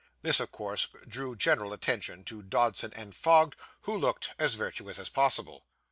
This, of course, drew general attention to Dodson & Fogg, who looked as virtuous as possible.